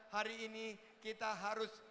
hari ini kita harus